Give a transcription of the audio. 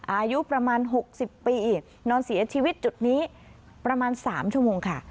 อายุประมาณ๖๐ปีนอนเสียชีวิตจุดนี้ประมาณ๓ชั่วโมงค่ะ